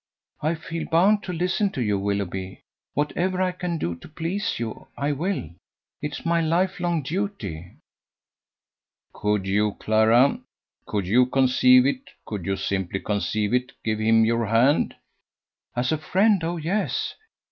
"I feel bound to listen to you, Willoughby. Whatever I can do to please you, I will. It is my life long duty." "Could you, Clara, could you conceive it, could you simply conceive it give him your hand?" "As a friend. Oh, yes."